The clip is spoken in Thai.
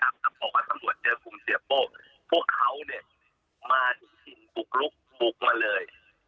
ถ้าบอกว่าตังโหลดเจอคุณเสียโป้พวกเขามาถึงสิ่งปลุกลุกมาเลย